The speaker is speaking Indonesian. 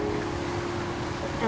usus goreng matiin hp juga